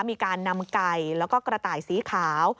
มีการนำไก่แล้วก็กระต่ายสีขาว